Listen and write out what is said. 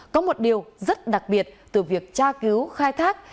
có một điều rất đặc biệt từ việc tra cứu khai thác